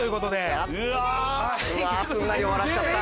すんなり終わらせちゃった。